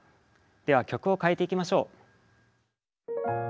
では曲を変えていきましょう。